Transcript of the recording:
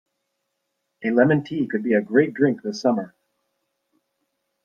A lemon tea could be great to drink this summer.